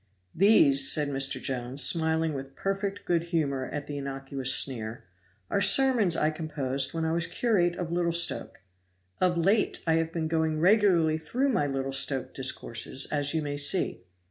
"These," said Mr. Jones, smiling with perfect good humor at the innocuous sneer, "are sermons I composed when I was curate of Little Stoke. Of late I have been going regularly through my Little Stoke discourses, as you may see.